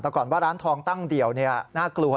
แต่ก่อนว่าร้านทองตั้งเดี่ยวน่ากลัว